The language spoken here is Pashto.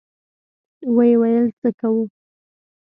ويې ويل: څه کوو؟